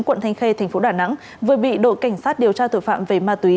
quận thanh khê thành phố đà nẵng vừa bị đội cảnh sát điều tra tội phạm về ma túy